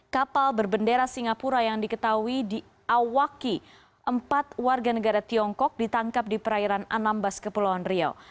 kapal berbendera singapura yang diketahui diawaki empat warga negara tiongkok ditangkap di perairan anambas kepulauan riau